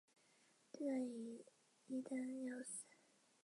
克鲁格说服朱尼尔开枪自杀。